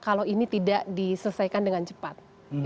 kalau ini tidak diselesaikan dengan cepat